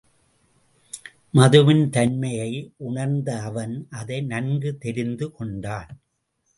மதுவின் தன்மையை உணர்ந்த அவன், அதை நன்கு தெரிந்து கொண்டான்.